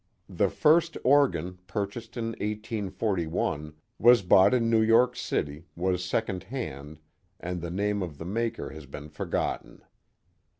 The first organ, purchased in 1841, was bought in New York City, was second hand, and the name of the maker has been forgotten.